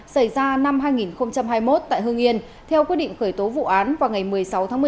xảy ra năm hai nghìn hai mươi một tại hương yên theo quyết định khởi tố vụ án vào ngày một mươi sáu tháng một mươi hai năm hai nghìn hai mươi một